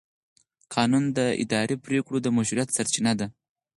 قانون د اداري پرېکړو د مشروعیت سرچینه ده.